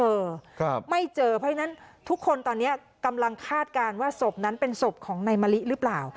ไม่เจอเพราะฉะนั้นทุกคนตอนนี้กำลังคาดการณ์ว่าศพนั้นเป็นศพของนายมะลิหรือเปล่า